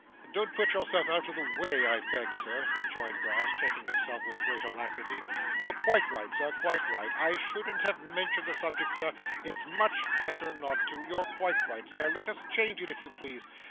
'Don't put yourself out of the way I beg, sir,' rejoined Brass, checking himself with great alacrity. 'You're quite right, sir, quite right. I shouldn't have mentioned the subject, sir. It's much better not to. You're quite right, sir. Let us change it, if you please.